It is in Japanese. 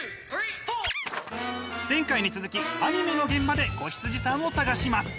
前回に続きアニメの現場で子羊さんを探します！